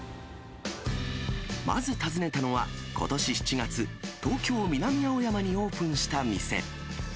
まず訪ねたのは、ことし７月、東京・南青山にオープンした店。